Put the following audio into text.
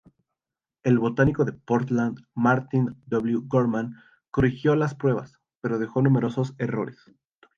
El botánico de Portland Martin W. Gorman corrigió las pruebas, pero dejó numerosos errores.